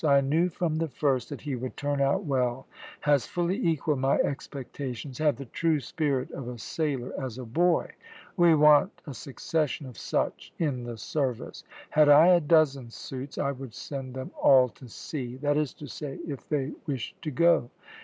I knew from the first that he would turn out well; has fully equalled my expectations; had the true spirit of a sailor as a boy; we want a succession of such in the service; had I a dozen suits I would send them all to sea, that is to say if they wished to go.